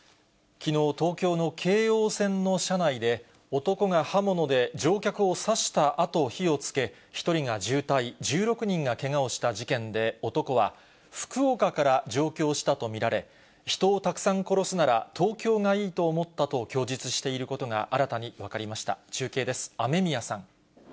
きのう、東京の京王線の車内で、男が刃物で乗客を刺したあと、火をつけ、１人が重体、１６人がけがをした事件で、男は、福岡から上京したと見られ、人をたくさん殺すなら、東京がいいと思ったと供述していることが新たに分かりました。